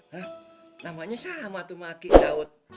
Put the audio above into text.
hah namanya sama tuh sama aki daud